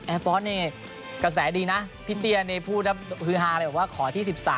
แอร์ฟอร์สนี่ไงกระแสดีนะพี่เตียนในพูดภูมิฮาเลยบอกว่าขอที่๑๓